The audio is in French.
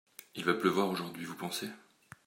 Il va pleuvoir aujourd'hui, vous pensez ?